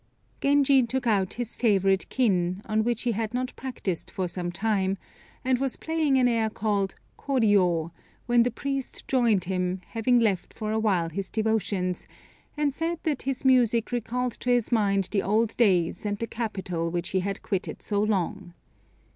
Genji took out his favorite kin, on which he had not practised for some time, and was playing an air called "Kôriô," when the priest joined him, having left for awhile his devotions, and said that his music recalled to his mind the old days and the capital which he had quitted so long.